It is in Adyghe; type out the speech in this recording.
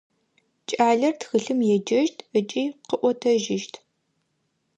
Кӏалэр тхылъым еджэщт ыкӏи къыӏотэжьыщт.